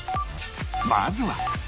まずは